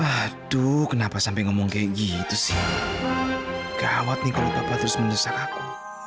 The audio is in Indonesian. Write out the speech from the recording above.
aduh kenapa sampai ngomong kayak gitu sih gawat nih kalau terus menyesal aku